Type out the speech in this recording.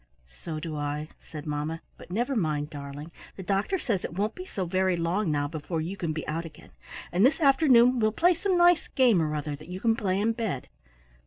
"So do I," said mamma. "But never mind, darling. The doctor says it won't be so very long now before you can be out again, and this afternoon we'll play some nice game or other that you can play in bed.